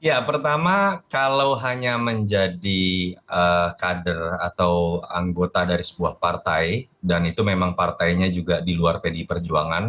ya pertama kalau hanya menjadi kader atau anggota dari sebuah partai dan itu memang partainya juga di luar pdi perjuangan